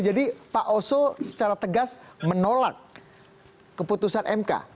jadi pak oso secara tegas menolak keputusan mk